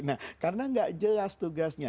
nah karena nggak jelas tugasnya